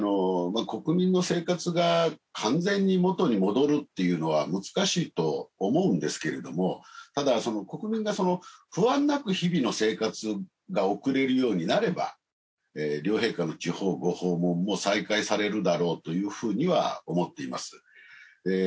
国民の生活が完全に元に戻るっていうのは難しいと思うんですけれどもただその国民が不安なく日々の生活が送れるようになれば両陛下の地方ご訪問も再開されるだろうというふうには思っています。